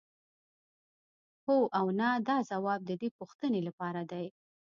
هو او نه دا ځواب د دې پوښتنې لپاره دی.